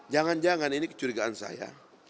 jangan jangan ini kecurigaan saya